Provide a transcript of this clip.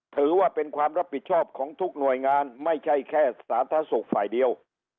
ถือว่าเป็นความรับผิดชอบของทุกหน่วยงานไม่ใช่แค่สาธารณสุขฝ่ายเดียว